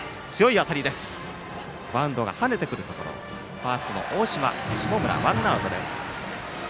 ファーストの大島がさばいてワンアウトです。